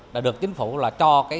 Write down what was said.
đã được chính phủ cho